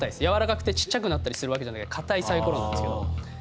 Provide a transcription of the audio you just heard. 軟らかくてちっちゃくなったりするわけじゃない硬いサイコロなんですけど。